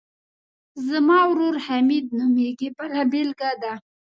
زما ورور حمید نومیږي بله بېلګه ده.